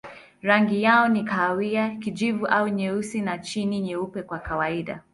Rangi yao ni kahawia, kijivu au nyeusi na chini nyeupe kwa kawaida.